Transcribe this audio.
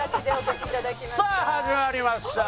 さあ始まりました。